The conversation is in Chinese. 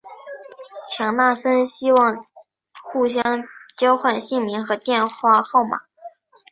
强纳森希望互相交换姓名和电话号码。